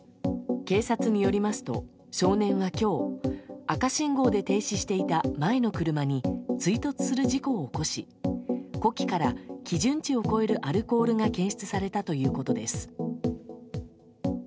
警察によりますと、少年は今日赤信号で停止していた前の車に追突する事故を起こし呼気から基準値を超えるアルコールが検出されたということです。